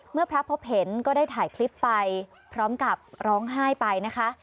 เมื่อพระพบเห็นก็ได้ถ่ายคลิปไปพร้อมกับร้องไห้ไปนะคะ